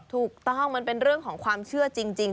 ถูกต้องมันเป็นเรื่องของความเชื่อจริง